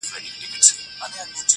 د څڼور تصوير چي په لاسونو کي دی